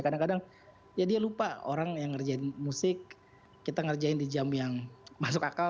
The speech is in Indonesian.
kadang kadang ya dia lupa orang yang ngerjain musik kita ngerjain di jam yang masuk akal